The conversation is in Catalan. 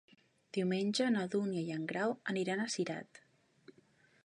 Diumenge na Dúnia i en Grau aniran a Cirat.